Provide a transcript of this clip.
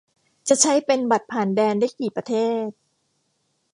จะใช้เป็น "บัตรผ่านแดน" ได้กี่ประเทศ